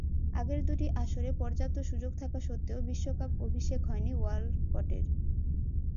আগের দুটি আসরে পর্যাপ্ত সুযোগ থাকা সত্ত্বেও বিশ্বকাপ অভিষেক হয়নি ওয়ালকটের।